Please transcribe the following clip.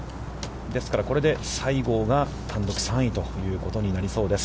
ですから、これで西郷が単独３位ということになりそうです。